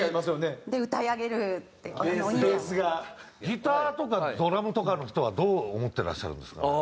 ギターとかドラムとかの人はどう思ってらっしゃるんですか？